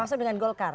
termasuk dengan golkar